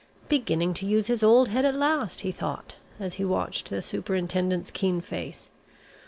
"Beginning to use his old head at last!" he thought as he watched the Superintendent's keen face.